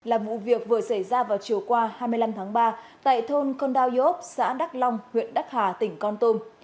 là vụ việc vừa xảy ra vào chiều qua hai mươi năm tháng ba tại thôn condao yop xã đắc long huyện đắc hà tỉnh con tôm